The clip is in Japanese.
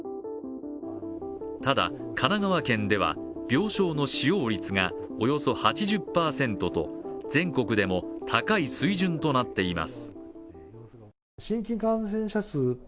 ただ神奈川県では、病床の使用率がおよそ８０％と全国でも高い水準となっています